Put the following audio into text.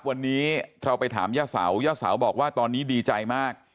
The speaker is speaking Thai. วันนี้เราไปถามย่าเสาย่าเสาบอกว่าตอนนี้ดีใจมาก